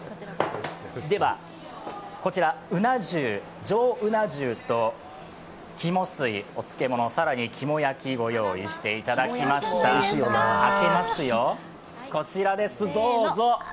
では、こちら、うな重上うな重と肝吸い、お漬物、更に肝焼き、ご用意いただきました開けますよ、こちらですどうぞ！